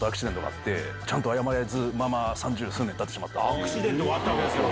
アクシデントがあったわけですから。